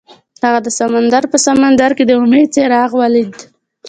هغه د سمندر په سمندر کې د امید څراغ ولید.